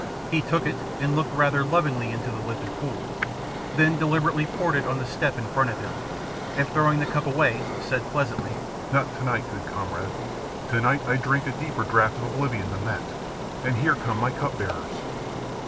He took it and looked rather lovingly into the limpid pool, then deliberately poured it on the step in front of him, and throwing the cup away said pleasantly, "Not tonight, good comrade; tonight I drink a deeper draught of oblivion than that, and here come my cup bearers."